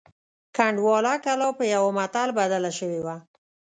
کنډواله کلا په یوه متل بدله شوې وه.